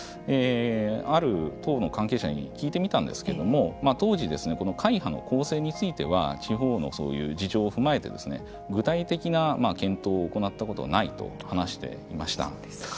ある党の関係者に聞いてみたんですけれども当時、この会派の構成については地方の事情を踏まえて具体的な検討を行ったことがないと話していました。